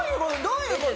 どういう事？